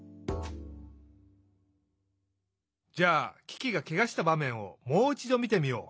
じゃあキキがケガしたばめんをもういちどみてみよう。